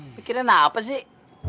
mikirnya kenapa sih